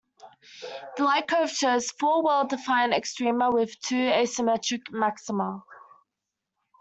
The light curve shows "four well defined extrema with two asymmetric maxima".